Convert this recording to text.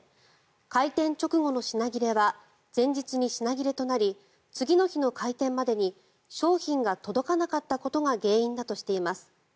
開店直後の品切れは前日に品切れとなり次の日の開店までに商品が届かなかったことが原因だとしています。